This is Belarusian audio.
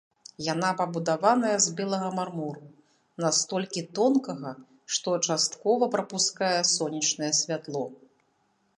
Яна пабудаваная з белага мармуру, настолькі тонкага, што часткова прапускае сонечнае святло.